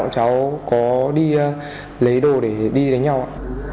cháu có đi lấy đồ để đi đánh nhau ạ